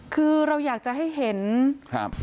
คือเราอยากจะให้เห็นครับ